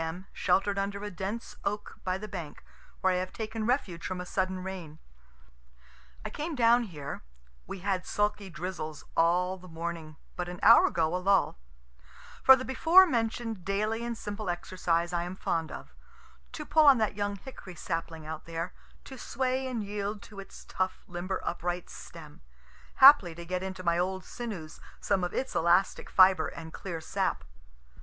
M., shelter'd under a dense oak by the bank, where I have taken refuge from a sudden rain. I came down here, (we had sulky drizzles all the morning, but an hour ago a lull,) for the before mention'd daily and simple exercise I am fond of to pull on that young hickory sapling out there to sway and yield to its tough limber upright stem haply to get into my old sinews some of its elastic fibre and clear sap.